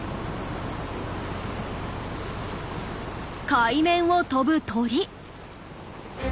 海面を飛ぶ鳥。